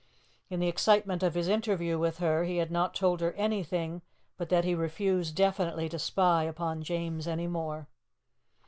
In the excitement of his interview with her, he had not told her anything but that he refused definitely to spy upon James any more.